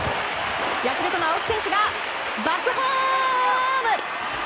ヤクルトの青木選手がバックホーム！